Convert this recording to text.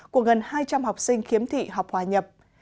của gần hai trăm linh học sinh khiếm thị học hòa nhập